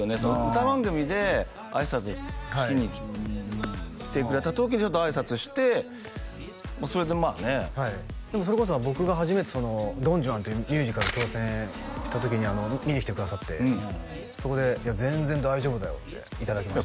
歌番組であいさつしに来てくれた時にちょっとあいさつしてそれでまあねはいでもそれこそ僕が初めて「ドン・ジュアン」っていうミュージカル挑戦した時に見に来てくださってそこで「いや全然大丈夫だよ」っていただきました